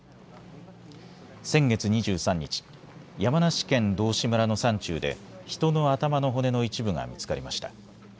先月２３日、山梨県道志村の山中で、人の頭の骨の一部が見つかりました。